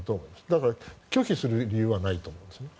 だから、拒否する理由はないと思いますね。